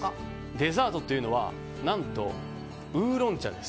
デザートというのは何とウーロン茶です。